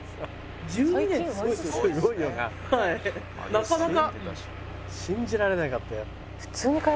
なかなか。